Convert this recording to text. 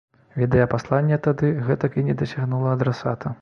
Відэапасланне тады гэтак і не дасягнула адрасата.